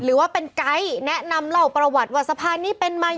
หรือว่าเป็นไกด์แนะนำเล่าประวัติว่าสะพานนี้เป็นมา